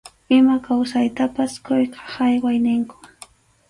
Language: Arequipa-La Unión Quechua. Ima kawsaytapas quyqa hayway ninkum.